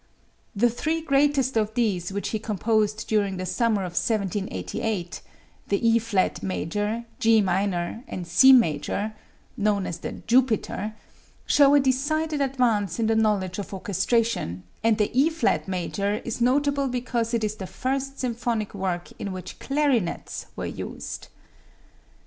The three greatest of these which he composed during the summer of 1788, the E flat major, G minor and C major (known as the "Jupiter"), show a decided advance in the knowledge of orchestration, and the E flat major is notable because it is the first symphonic work in which clarinets were used.